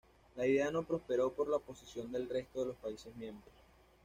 La idea no prosperó por la oposición del resto de los países miembros.